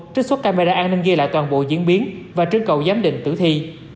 trích xuất camera an ninh ghi lại toàn bộ diễn biến và trên cầu giám định tử thi